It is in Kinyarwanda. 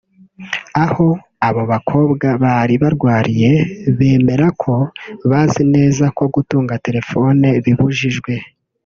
aho abo bakobwa bari barwariye bemera ko bazi neza ko gutunga telefoni bibujijwe